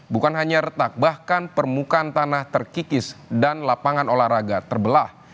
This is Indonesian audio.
bukan hanya retak bahkan permukaan tanah terkikis dan lapangan olahraga terbelah